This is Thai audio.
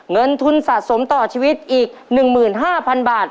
เงินทุนสะสมต่อชีวิตอีก๑๕๐๐๐บาท